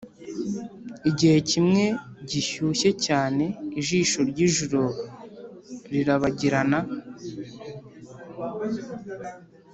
igihe kimwe gishyushye cyane ijisho ryijuru rirabagirana,